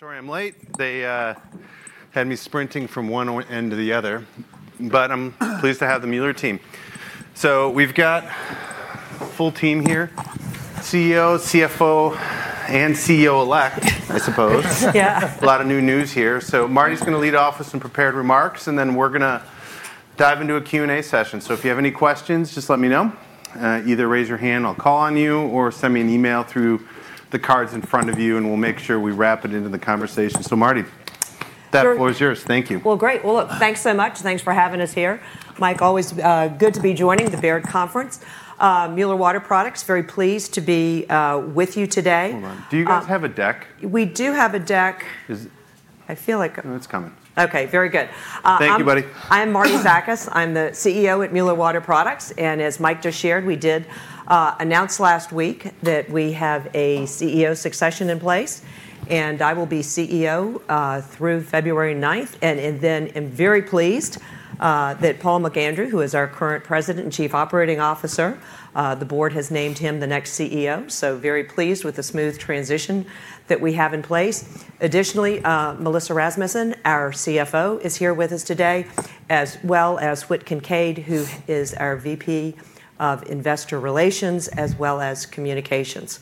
Sorry I'm late. They had me sprinting from one end to the other, but I'm pleased to have the Mueller team. So we've got a full team here: CEO, CFO, and CEO elect, I suppose. Yeah. A lot of new news here. Martie's going to lead off with some prepared remarks, and then we're going to dive into a Q&A session. If you have any questions, just let me know. Either raise your hand, I'll call on you, or send me an email through the cards in front of you, and we'll make sure we wrap it into the conversation. Martie, that floor is yours. Thank you. Great. Look, thanks so much. Thanks for having us here. Mike, always good to be joining the Baird Conference. Mueller Water Products, very pleased to be with you today. Do you guys have a deck? We do have a deck. I feel like it's coming. Okay, very good. Thank you, buddy. I'm Martie Zakas. I'm the CEO at Mueller Water Products. As Mike just shared, we did announce last week that we have a CEO succession in place, and I will be CEO through February 9th. I'm very pleased that Paul McAndrew, who is our current President and Chief Operating Officer, the board has named him the next CEO. Very pleased with the smooth transition that we have in place. Additionally, Melissa Rasmussen, our CFO, is here with us today, as well as Whit Kincaid, who is our VP of Investor Relations, as well as Communications.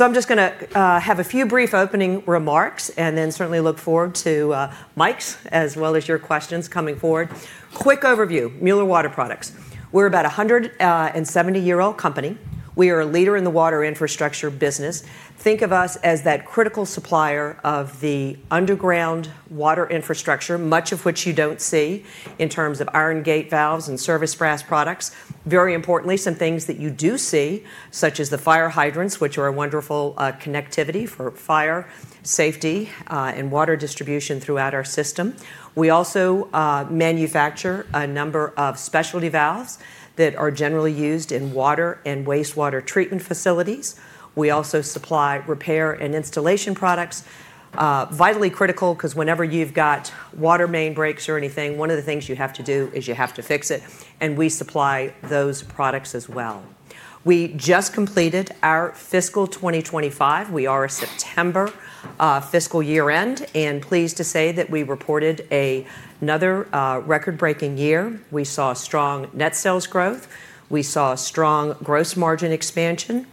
I'm just going to have a few brief opening remarks and certainly look forward to Mike's as well as your questions coming forward. Quick overview: Mueller Water Products. We're about a 170-year-old company. We are a leader in the water infrastructure business. Think of us as that critical supplier of the underground water infrastructure, much of which you do not see in terms of iron gate valves and service brass products. Very importantly, some things that you do see, such as the fire hydrants, which are a wonderful connectivity for fire safety and water distribution throughout our system. We also manufacture a number of specialty valves that are generally used in water and wastewater treatment facilities. We also supply repair and installation products. Vitally critical because whenever you have got water main breaks or anything, one of the things you have to do is you have to fix it. We supply those products as well. We just completed our fiscal 2025. We are a September fiscal year-end. Pleased to say that we reported another record-breaking year. We saw strong net sales growth. We saw strong gross margin expansion.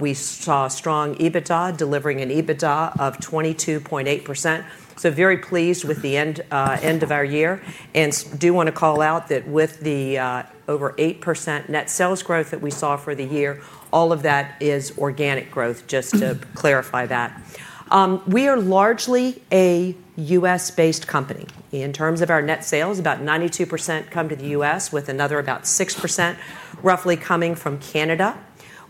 We saw strong EBITDA, delivering an EBITDA of 22.8%. Very pleased with the end of our year. I do want to call out that with the over 8% net sales growth that we saw for the year, all of that is organic growth, just to clarify that. We are largely a U.S.-based company. In terms of our net sales, about 92% come to the U.S., with another about 6% roughly coming from Canada.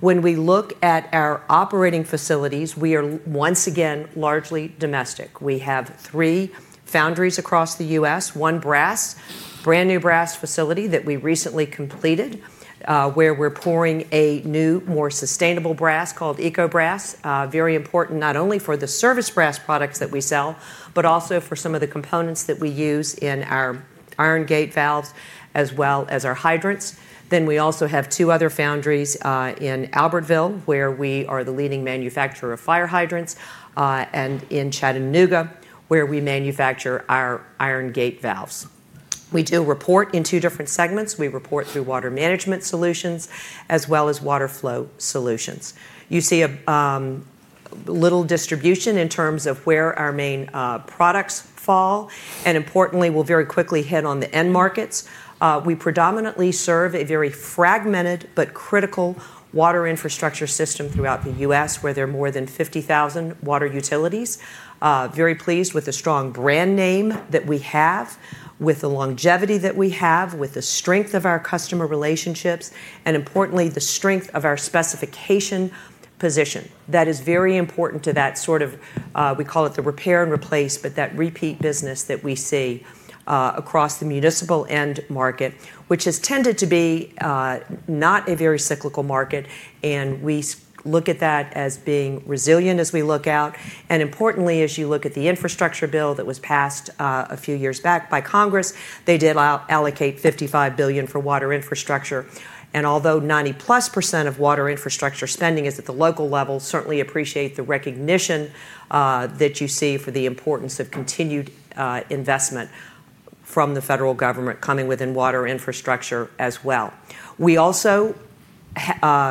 When we look at our operating facilities, we are once again largely domestic. We have three foundries across the U.S., one brass, brand new brass facility that we recently completed, where we're pouring a new, more sustainable brass called eco-brass. Very important not only for the service brass products that we sell, but also for some of the components that we use in our iron gate valves, as well as our hydrants. We also have two other foundries in Albertville, where we are the leading manufacturer of fire hydrants, and in Chattanooga, where we manufacture our iron gate valves. We do report in two different segments. We report through water management solutions, as well as water flow solutions. You see a little distribution in terms of where our main products fall. Importantly, we'll very quickly hit on the end markets. We predominantly serve a very fragmented but critical water infrastructure system throughout the U.S., where there are more than 50,000 water utilities. Very pleased with the strong brand name that we have, with the longevity that we have, with the strength of our customer relationships, and importantly, the strength of our specification position. That is very important to that sort of, we call it the repair and replace, but that repeat business that we see across the municipal end market, which has tended to be not a very cyclical market. We look at that as being resilient as we look out. Importantly, as you look at the infrastructure bill that was passed a few years back by Congress, they did allocate $55 billion for water infrastructure. Although 90% plus of water infrastructure spending is at the local level, certainly appreciate the recognition that you see for the importance of continued investment from the federal government coming within water infrastructure as well. We also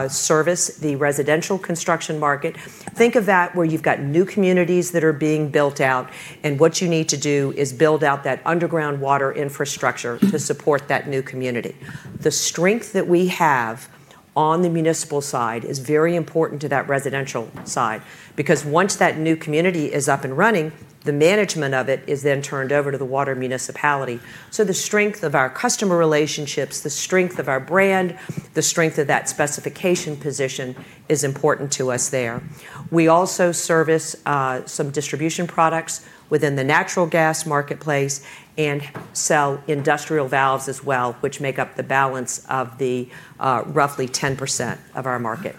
service the residential construction market. Think of that where you have got new communities that are being built out, and what you need to do is build out that underground water infrastructure to support that new community. The strength that we have on the municipal side is very important to that residential side because once that new community is up and running, the management of it is then turned over to the water municipality. The strength of our customer relationships, the strength of our brand, the strength of that specification position is important to us there. We also service some distribution products within the natural gas marketplace and sell industrial valves as well, which make up the balance of roughly 10% of our market.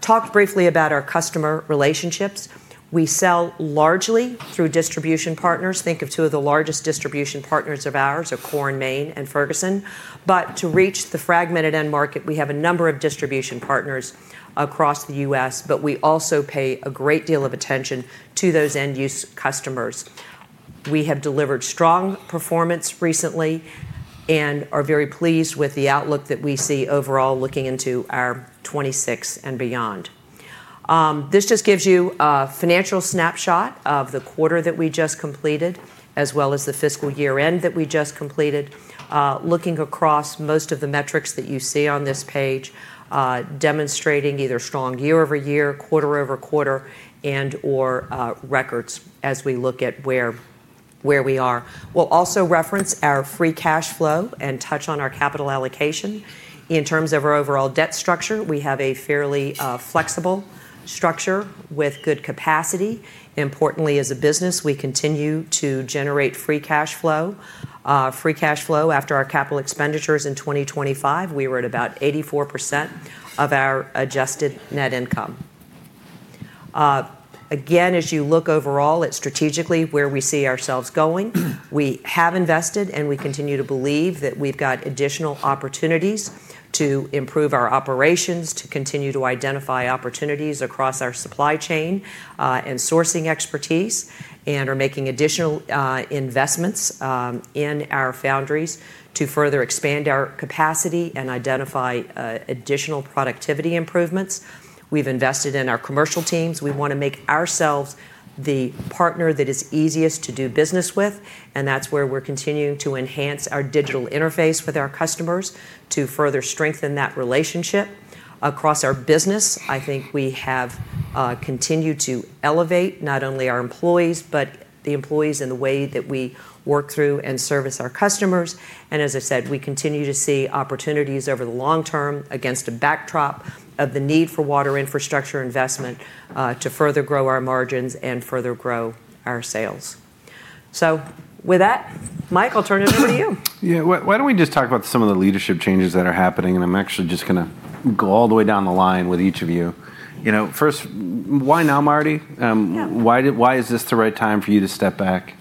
Talked briefly about our customer relationships. We sell largely through distribution partners. Think of two of the largest distribution partners of ours: Core & Main and Ferguson. To reach the fragmented end market, we have a number of distribution partners across the U.S., but we also pay a great deal of attention to those end-use customers. We have delivered strong performance recently and are very pleased with the outlook that we see overall looking into our 2026 and beyond. This just gives you a financial snapshot of the quarter that we just completed, as well as the fiscal year-end that we just completed, looking across most of the metrics that you see on this page, demonstrating either strong year-over-year, quarter-over-quarter, and/or records as we look at where we are. We'll also reference our free cash flow and touch on our capital allocation. In terms of our overall debt structure, we have a fairly flexible structure with good capacity. Importantly, as a business, we continue to generate free cash flow. Free cash flow after our capital expenditures in 2025, we were at about 84% of our adjusted net income. Again, as you look overall at strategically where we see ourselves going, we have invested, and we continue to believe that we've got additional opportunities to improve our operations, to continue to identify opportunities across our supply chain and sourcing expertise, and are making additional investments in our foundries to further expand our capacity and identify additional productivity improvements. We've invested in our commercial teams. We want to make ourselves the partner that is easiest to do business with, and that's where we're continuing to enhance our digital interface with our customers to further strengthen that relationship. Across our business, I think we have continued to elevate not only our employees, but the employees in the way that we work through and service our customers. As I said, we continue to see opportunities over the long term against a backdrop of the need for water infrastructure investment to further grow our margins and further grow our sales. With that, Mike, I'll turn it over to you. Yeah. Why don't we just talk about some of the leadership changes that are happening? I'm actually just going to go all the way down the line with each of you. First, why now, Martie? Why is this the right time for you to step back?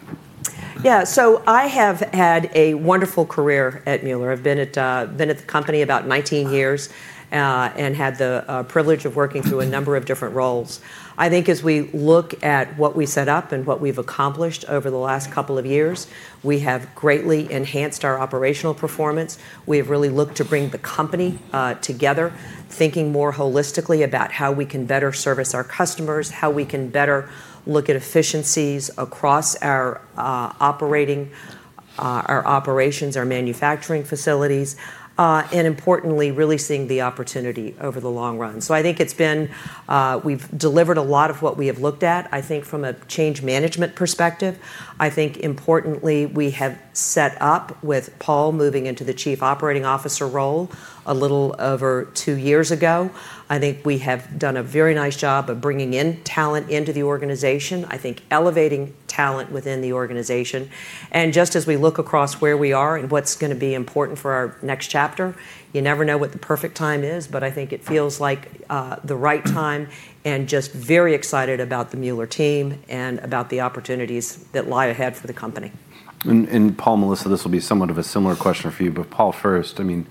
Yeah. So I have had a wonderful career at Mueller. I've been at the company about 19 years and had the privilege of working through a number of different roles. I think as we look at what we set up and what we've accomplished over the last couple of years, we have greatly enhanced our operational performance. We have really looked to bring the company together, thinking more holistically about how we can better service our customers, how we can better look at efficiencies across our operations, our manufacturing facilities, and importantly, really seeing the opportunity over the long run. I think it's been we've delivered a lot of what we have looked at, I think, from a change management perspective. I think importantly, we have set up with Paul moving into the Chief Operating Officer role a little over two years ago. I think we have done a very nice job of bringing in talent into the organization, I think elevating talent within the organization. Just as we look across where we are and what's going to be important for our next chapter, you never know what the perfect time is, but I think it feels like the right time and just very excited about the Mueller team and about the opportunities that lie ahead for the company. Paul, Melissa, this will be somewhat of a similar question for you, but Paul first. I mean,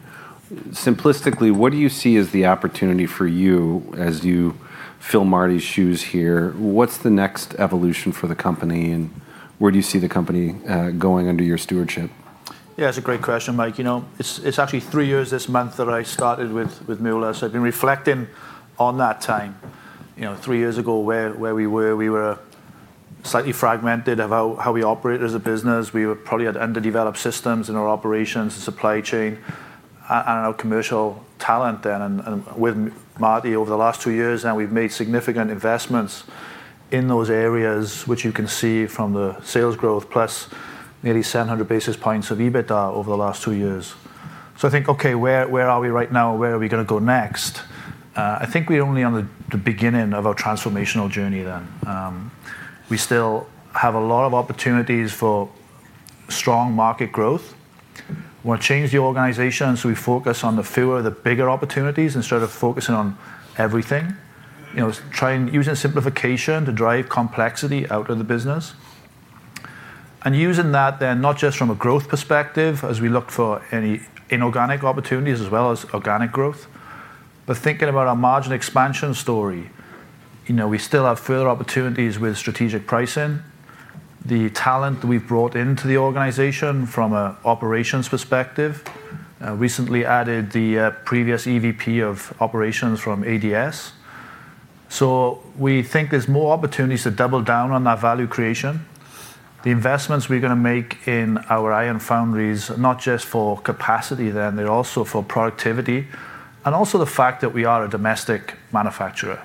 simplistically, what do you see as the opportunity for you as you fill Martie's shoes here? What's the next evolution for the company? And where do you see the company going under your stewardship? Yeah, it's a great question, Mike. You know, it's actually three years this month that I started with Mueller. So I've been reflecting on that time. Three years ago, where we were, we were slightly fragmented of how we operate as a business. We were probably at underdeveloped systems in our operations and supply chain. I don't know, commercial talent then. And with Martie over the last two years, we've made significant investments in those areas, which you can see from the sales growth, plus nearly 700 basis points of EBITDA over the last two years. I think, okay, where are we right now? Where are we going to go next? I think we're only on the beginning of our transformational journey then. We still have a lot of opportunities for strong market growth. We want to change the organization, so we focus on the fewer, the bigger opportunities instead of focusing on everything. You know, using simplification to drive complexity out of the business. You know, using that then, not just from a growth perspective as we look for any inorganic opportunities as well as organic growth, but thinking about our margin expansion story. You know, we still have further opportunities with strategic pricing. The talent that we've brought into the organization from an operations perspective, recently added the previous EVP of operations from ADS. You know, we think there's more opportunities to double down on that value creation. The investments we're going to make in our iron foundries, not just for capacity then, they're also for productivity and also the fact that we are a domestic manufacturer.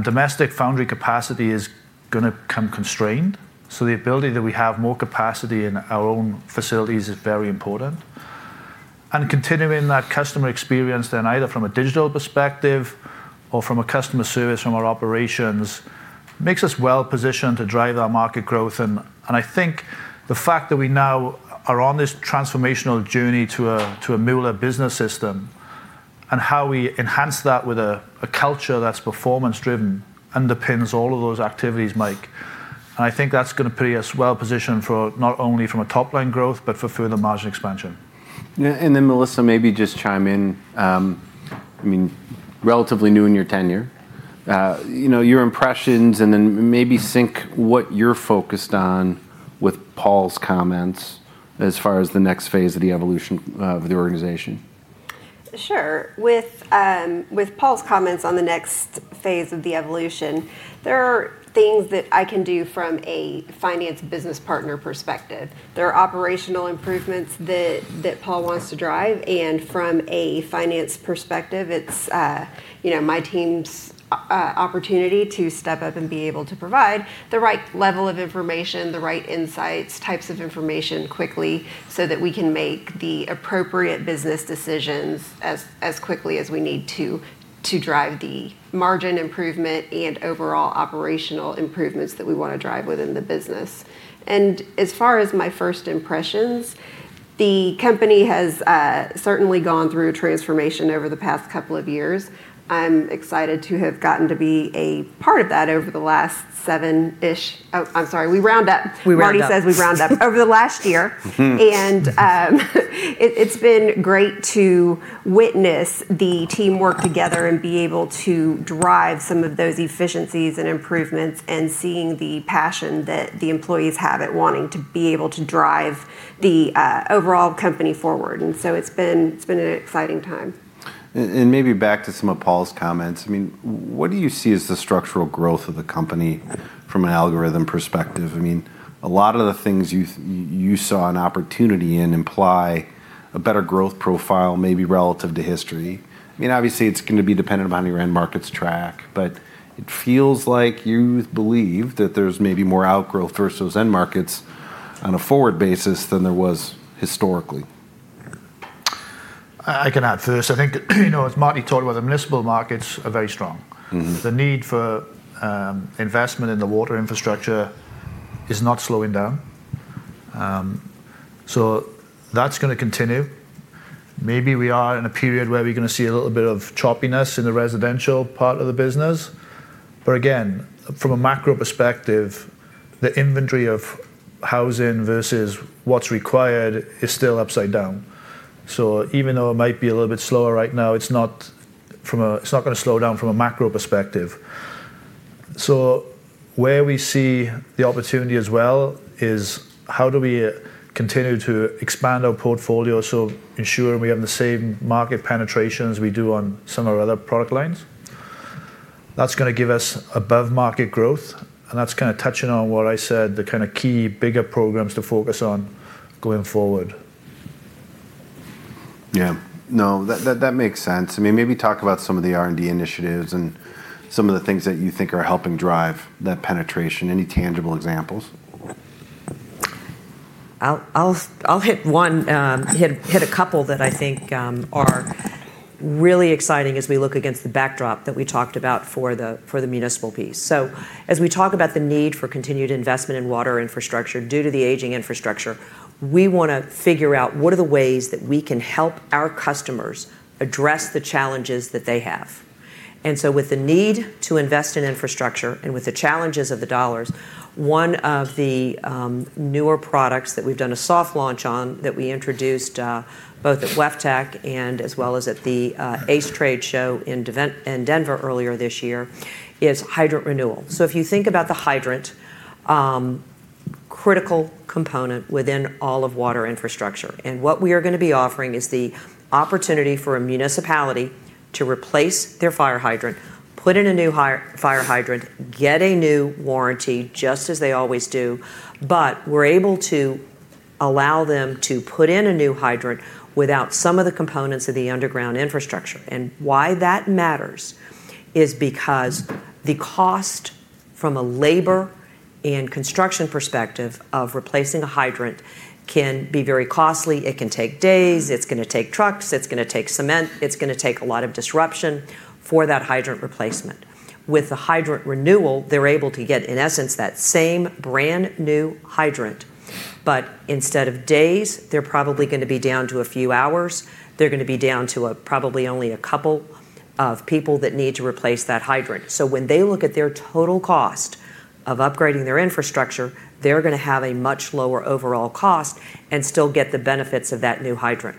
Domestic foundry capacity is going to come constrained. The ability that we have more capacity in our own facilities is very important. Continuing that customer experience then, either from a digital perspective or from a customer service from our operations, makes us well positioned to drive our market growth. I think the fact that we now are on this transformational journey to a Mueller business system and how we enhance that with a culture that's performance-driven underpins all of those activities, Mike. I think that's going to put us well positioned for not only from a top-line growth, but for further margin expansion. Melissa, maybe just chime in. I mean, relatively new in your tenure. Your impressions and then maybe sync what you're focused on with Paul's comments as far as the next phase of the evolution of the organization. Sure. With Paul's comments on the next phase of the evolution, there are things that I can do from a finance business partner perspective. There are operational improvements that Paul wants to drive. From a finance perspective, it's my team's opportunity to step up and be able to provide the right level of information, the right insights, types of information quickly so that we can make the appropriate business decisions as quickly as we need to drive the margin improvement and overall operational improvements that we want to drive within the business. As far as my first impressions, the company has certainly gone through transformation over the past couple of years. I'm excited to have gotten to be a part of that over the last seven-ish. Oh, I'm sorry, we round up. Martie says we round up over the last year. It has been great to witness the team work together and be able to drive some of those efficiencies and improvements and seeing the passion that the employees have at wanting to be able to drive the overall company forward. It has been an exciting time. Maybe back to some of Paul's comments. I mean, what do you see as the structural growth of the company from an algorithm perspective? I mean, a lot of the things you saw an opportunity in imply a better growth profile, maybe relative to history. I mean, obviously, it's going to be dependent on your end markets track, but it feels like you believe that there's maybe more outgrowth versus end markets on a forward basis than there was historically. I can add to this. I think, you know, as Martie told you, the municipal markets are very strong. The need for investment in the water infrastructure is not slowing down. That is going to continue. Maybe we are in a period where we're going to see a little bit of choppiness in the residential part of the business. Again, from a macro perspective, the inventory of housing versus what's required is still upside down. Even though it might be a little bit slower right now, it is not going to slow down from a macro perspective. Where we see the opportunity as well is how do we continue to expand our portfolio to ensure we have the same market penetrations we do on some of our other product lines. That's going to give us above-market growth, and that's kind of touching on what I said, the kind of key bigger programs to focus on going forward. Yeah. No, that makes sense. I mean, maybe talk about some of the R&D initiatives and some of the things that you think are helping drive that penetration. Any tangible examples? I'll hit one, hit a couple that I think are really exciting as we look against the backdrop that we talked about for the municipal piece. As we talk about the need for continued investment in water infrastructure due to the aging infrastructure, we want to figure out what are the ways that we can help our customers address the challenges that they have. With the need to invest in infrastructure and with the challenges of the dollars, one of the newer products that we've done a soft launch on that we introduced both at WEFTEC and as well as at the ACE Trade Show in Denver earlier this year is hydrant renewal. If you think about the hydrant, critical component within all of water infrastructure. What we are going to be offering is the opportunity for a municipality to replace their fire hydrant, put in a new fire hydrant, get a new warranty just as they always do, but we're able to allow them to put in a new hydrant without some of the components of the underground infrastructure. Why that matters is because the cost from a labor and construction perspective of replacing a hydrant can be very costly. It can take days. It's going to take trucks. It's going to take cement. It's going to take a lot of disruption for that hydrant replacement. With the hydrant renewal, they're able to get, in essence, that same brand new hydrant, but instead of days, they're probably going to be down to a few hours. They're going to be down to probably only a couple of people that need to replace that hydrant. When they look at their total cost of upgrading their infrastructure, they're going to have a much lower overall cost and still get the benefits of that new hydrant.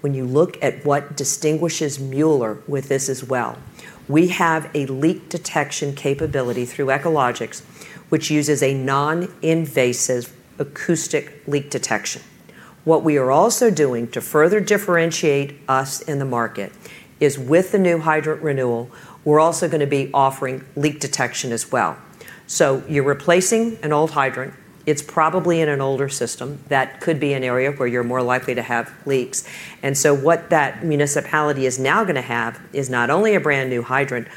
When you look at what distinguishes Mueller with this as well, we have a leak detection capability through Echologics, which uses a non-invasive acoustic leak detection. What we are also doing to further differentiate us in the market is with the new hydrant renewal, we're also going to be offering leak detection as well. You're replacing an old hydrant. It's probably in an older system that could be an area where you're more likely to have leaks. What that municipality is now going to have is not only a brand new hydrant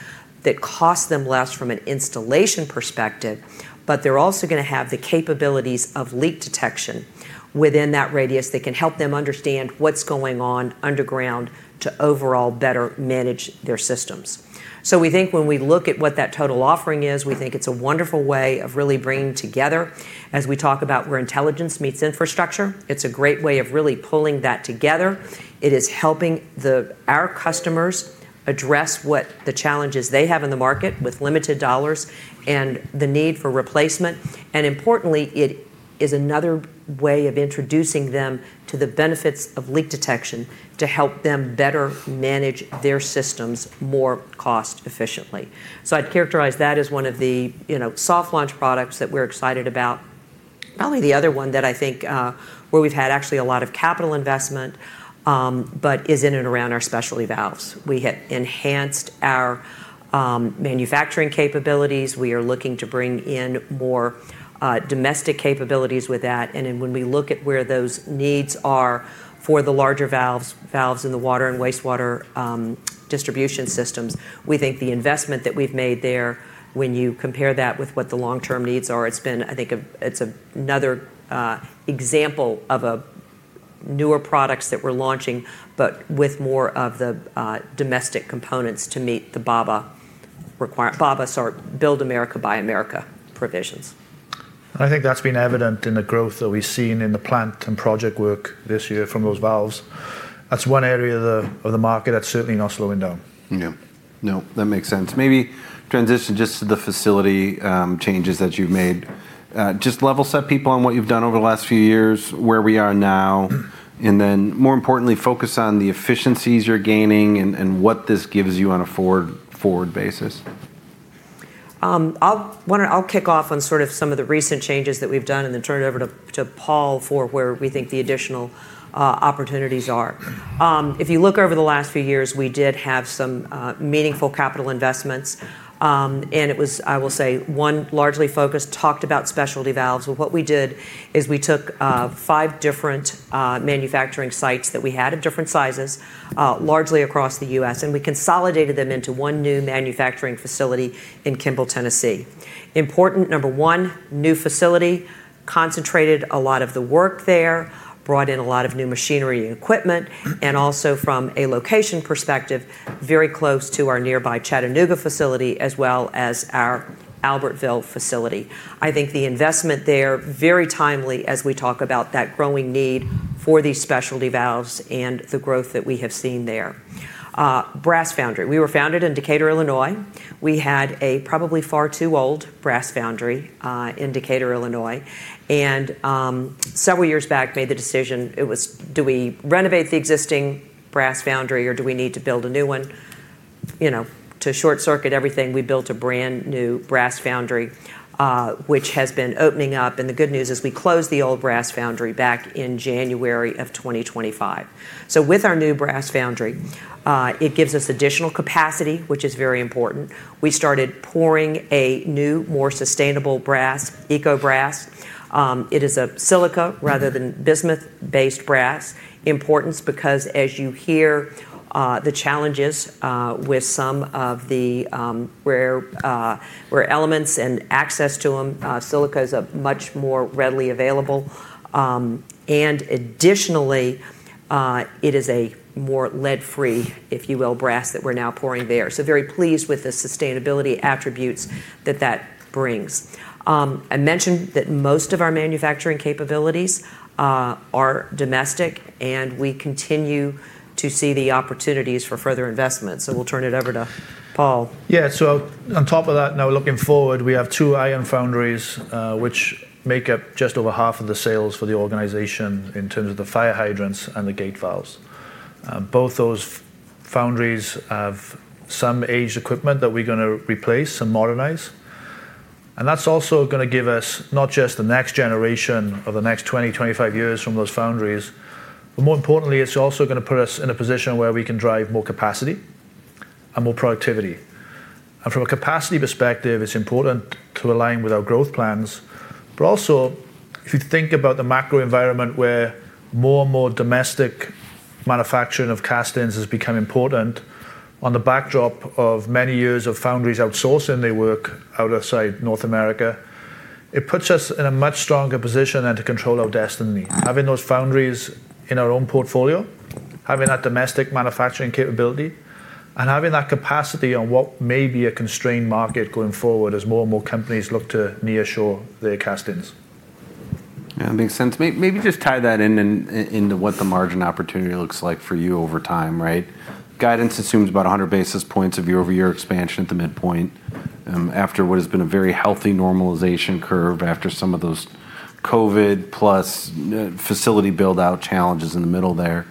that costs them less from an installation perspective, but they are also going to have the capabilities of leak detection within that radius that can help them understand what is going on underground to overall better manage their systems. We think when we look at what that total offering is, it is a wonderful way of really bringing together. As we talk about where intelligence meets infrastructure, it is a great way of really pulling that together. It is helping our customers address what the challenges they have in the market with limited dollars and the need for replacement. Importantly, it is another way of introducing them to the benefits of leak detection to help them better manage their systems more cost-efficiently. I'd characterize that as one of the soft launch products that we're excited about. Probably the other one that I think where we've had actually a lot of capital investment is in and around our specialty valves. We have enhanced our manufacturing capabilities. We are looking to bring in more domestic capabilities with that. When we look at where those needs are for the larger valves in the water and wastewater distribution systems, we think the investment that we've made there, when you compare that with what the long-term needs are, it's been, I think, it's another example of a newer product that we're launching, but with more of the domestic components to meet the BABA Build America Buy America provisions. I think that's been evident in the growth that we've seen in the plant and project work this year from those valves. That's one area of the market that's certainly not slowing down. Yeah. No, that makes sense. Maybe transition just to the facility changes that you've made. Just level set people on what you've done over the last few years, where we are now, and then more importantly, focus on the efficiencies you're gaining and what this gives you on a forward basis? I'll kick off on sort of some of the recent changes that we've done and then turn it over to Paul for where we think the additional opportunities are. If you look over the last few years, we did have some meaningful capital investments. It was, I will say, one largely focused, talked about specialty valves. What we did is we took five different manufacturing sites that we had of different sizes, largely across the U.S., and we consolidated them into one new manufacturing facility in Kimball, Tennessee. Important, number one, new facility, concentrated a lot of the work there, brought in a lot of new machinery and equipment, and also from a location perspective, very close to our nearby Chattanooga facility as well as our Albertville facility. I think the investment there, very timely as we talk about that growing need for these specialty valves and the growth that we have seen there. Brass foundry. We were founded in Decatur, Illinois. We had a probably far too old brass foundry in Decatur, Illinois. And several years back, made the decision, it was, do we renovate the existing brass foundry or do we need to build a new one? You know, to short circuit everything, we built a brand new brass foundry, which has been opening up. The good news is we closed the old brass foundry back in January of 2025. With our new brass foundry, it gives us additional capacity, which is very important. We started pouring a new, more sustainable brass, eco-brass. It is a silica rather than bismuth-based brass. Importance because as you hear the challenges with some of the rare elements and access to them, silica is much more readily available. Additionally, it is a more lead-free, if you will, brass that we're now pouring there. Very pleased with the sustainability attributes that that brings. I mentioned that most of our manufacturing capabilities are domestic, and we continue to see the opportunities for further investment. We'll turn it over to Paul. Yeah. On top of that, now looking forward, we have two iron foundries, which make up just over half of the sales for the organization in terms of the fire hydrants and the gate valves. Both those foundries have some aged equipment that we're going to replace and modernize. That is also going to give us not just the next generation of the next 20-25 years from those foundries, but more importantly, it's also going to put us in a position where we can drive more capacity and more productivity. From a capacity perspective, it's important to align with our growth plans. If you think about the macro environment where more and more domestic manufacturing of castings has become important on the backdrop of many years of foundries outsourcing their work outside North America, it puts us in a much stronger position than to control our destiny. Having those foundries in our own portfolio, having that domestic manufacturing capability, and having that capacity on what may be a constrained market going forward as more and more companies look to nearshore their castings. Yeah, that makes sense. Maybe just tie that into what the margin opportunity looks like for you over time, right? Guidance assumes about 100 basis points of year-over-year expansion at the midpoint after what has been a very healthy normalization curve after some of those COVID-plus facility buildout challenges in the middle there.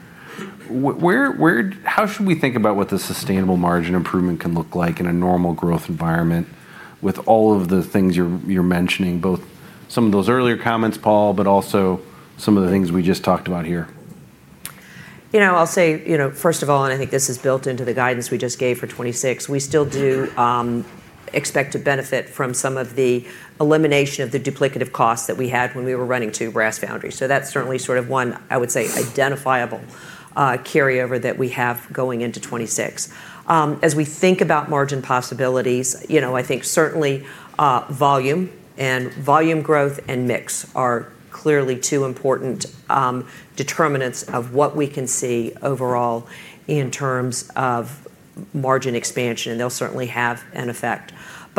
How should we think about what the sustainable margin improvement can look like in a normal growth environment with all of the things you're mentioning, both some of those earlier comments, Paul, but also some of the things we just talked about here? You know, I'll say, you know, first of all, and I think this is built into the guidance we just gave for 2026, we still do expect to benefit from some of the elimination of the duplicative costs that we had when we were running two brass foundries. That is certainly sort of one, I would say, identifiable carryover that we have going into 2026. As we think about margin possibilities, you know, I think certainly volume and volume growth and mix are clearly two important determinants of what we can see overall in terms of margin expansion, and they'll certainly have an effect.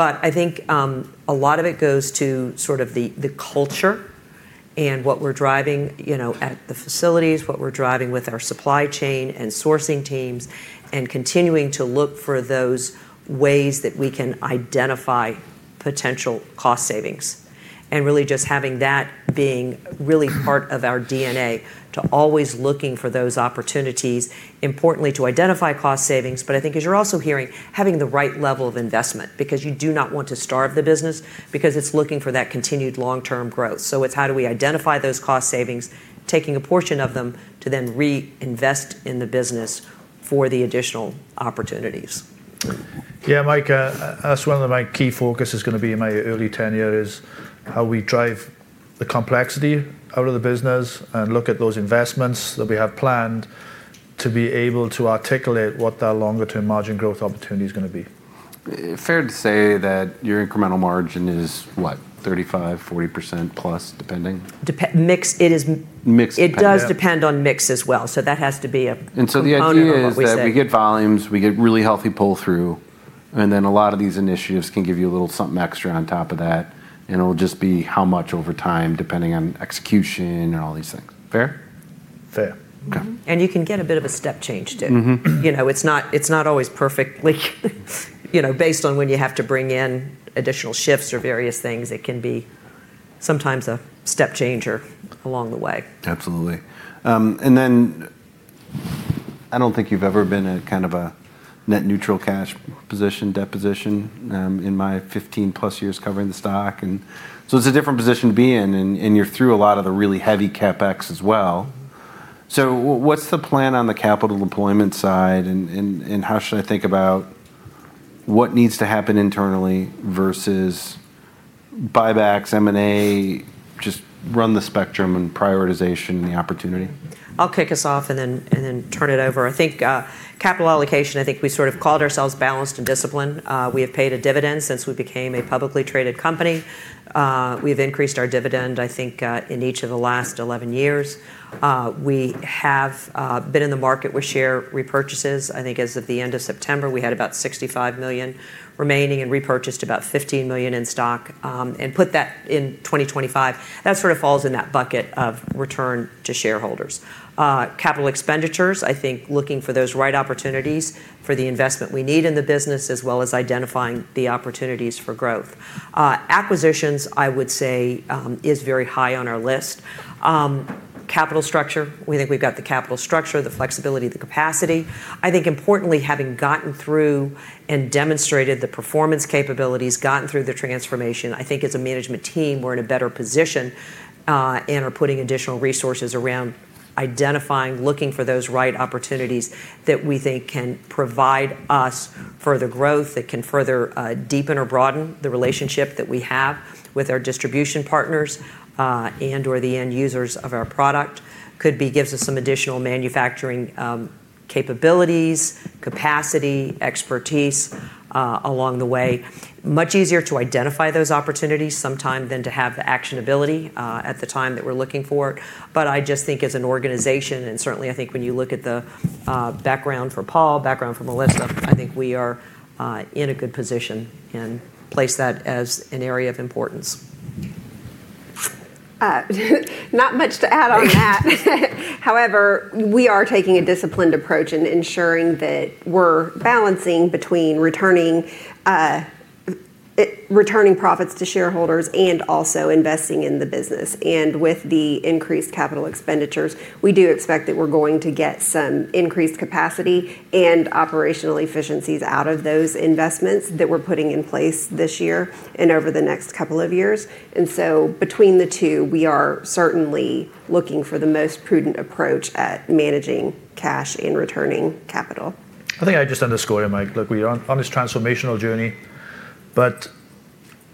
I think a lot of it goes to sort of the culture and what we're driving, you know, at the facilities, what we're driving with our supply chain and sourcing teams, and continuing to look for those ways that we can identify potential cost savings. Really just having that being really part of our DNA to always looking for those opportunities, importantly to identify cost savings, but I think as you're also hearing, having the right level of investment because you do not want to starve the business because it's looking for that continued long-term growth. It is how do we identify those cost savings, taking a portion of them to then reinvest in the business for the additional opportunities. Yeah, Mike, that's one of my key focuses going to be in my early tenure is how we drive the complexity out of the business and look at those investments that we have planned to be able to articulate what that longer-term margin growth opportunity is going to be. Fair to say that your incremental margin is what, 35-40% plus, depending? Mix, it is. Mix. It does depend on mix as well. That has to be a component of what we say. The idea is that we get volumes, we get really healthy pull-through, and then a lot of these initiatives can give you a little something extra on top of that, and it will just be how much over time depending on execution and all these things. Fair? Fair. You can get a bit of a step change too. You know, it's not always perfectly, you know, based on when you have to bring in additional shifts or various things. It can be sometimes a step change or along the way. Absolutely. I don't think you've ever been in kind of a net neutral cash position in my 15+ years covering the stock. It's a different position to be in, and you're through a lot of the really heavy CapEx as well. What's the plan on the capital deployment side, and how should I think about what needs to happen internally versus buybacks, M&A, just run the spectrum and prioritization and the opportunity? I'll kick us off and then turn it over. I think capital allocation, I think we sort of called ourselves balanced and disciplined. We have paid a dividend since we became a publicly traded company. We have increased our dividend, I think, in each of the last 11 years. We have been in the market with share repurchases. I think as of the end of September, we had about $65 million remaining and repurchased about $15 million in stock and put that in 2025. That sort of falls in that bucket of return to shareholders. Capital expenditures, I think looking for those right opportunities for the investment we need in the business as well as identifying the opportunities for growth. Acquisitions, I would say, is very high on our list. Capital structure, we think we've got the capital structure, the flexibility, the capacity. I think importantly, having gotten through and demonstrated the performance capabilities, gotten through the transformation, I think as a management team, we're in a better position and are putting additional resources around identifying, looking for those right opportunities that we think can provide us further growth that can further deepen or broaden the relationship that we have with our distribution partners and/or the end users of our product. Could be gives us some additional manufacturing capabilities, capacity, expertise along the way. Much easier to identify those opportunities sometime than to have the actionability at the time that we're looking for it. I just think as an organization, and certainly I think when you look at the background for Paul, background for Melissa, I think we are in a good position and place that as an area of importance. Not much to add on that. However, we are taking a disciplined approach in ensuring that we're balancing between returning profits to shareholders and also investing in the business. With the increased capital expenditures, we do expect that we're going to get some increased capacity and operational efficiencies out of those investments that we're putting in place this year and over the next couple of years. Between the two, we are certainly looking for the most prudent approach at managing cash and returning capital. I think I just underscored it, Mike. Look, we are on this transformational journey, but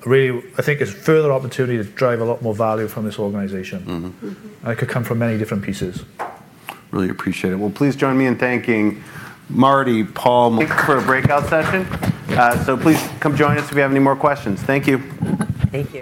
really I think it's further opportunity to drive a lot more value from this organization. It could come from many different pieces. Really appreciate it. Please join me in thanking Martie, Paul. For a breakout session, please come join us if you have any more questions. Thank you. Thank you.